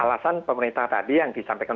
alasan pemerintah tadi yang disampaikan